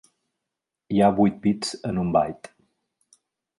Hi ha vuit bits en un byte.